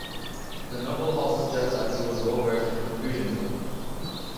The novel also suggests that he was well versed in Confucianism.